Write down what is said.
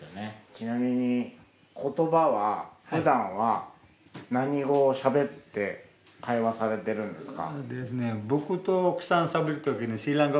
ちなみに言葉はふだんは何語をしゃべって会話されてるんですか？